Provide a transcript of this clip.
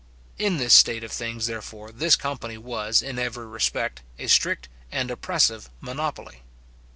In this state of things, therefore, this company was, in every respect, a strict and oppressive monopoly.